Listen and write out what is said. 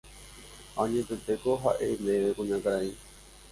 Añetetéko ha'e ndéve kuñakarai